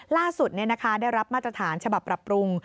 ล่าสุดได้รับมาตรฐานฉบับปรับปรุง